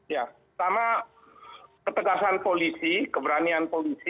ya pertama ketegasan polisi keberanian polisi